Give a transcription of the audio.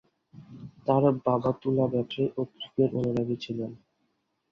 তার বাবা তুলা ব্যবসায়ী ও ক্রিকেট অনুরাগী ছিলেন।